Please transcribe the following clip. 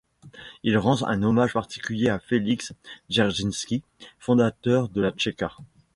Il rend un hommage particulier à Félix Dzerjinski, fondateur de la Tcheka.